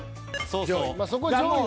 そうそう。